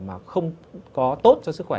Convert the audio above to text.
mà không có tốt cho sức khỏe